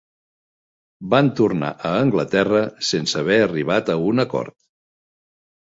Van tornar a Anglaterra sense haver arribat a un acord.